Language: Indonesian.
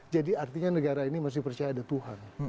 jadi artinya negara ini masih percaya ada tuhan